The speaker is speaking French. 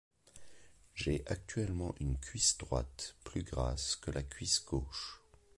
J’ai actuellement une cuisse droite plus grasse que la cuisse gauche.